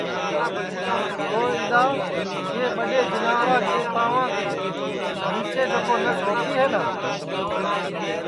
تو اِدؔا یہ ٻڈؔے جیناورا کے پاںؤا کے نیچلی جکو نس ہوتی ہے نہ